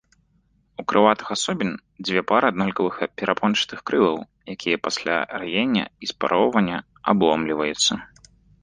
У крылатых асобін дзве пары аднолькавых перапончатых крылаў, якія пасля раення і спароўвання абломліваюцца.